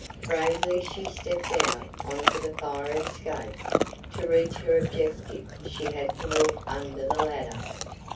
Bravely she stepped out on to the fire escape. To reach her objective she had to walk under the ladder.